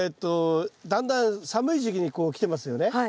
だんだん寒い時期にこうきてますよね。